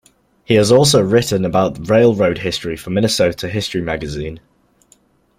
He has also written about railroad history for Minnesota History magazine.